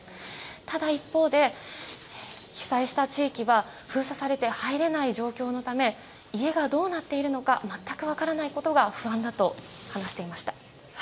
ただ、一方で被災した地域は封鎖されて入れない状況のため家がどうなっているのか全く分からないことが不安だと話していました。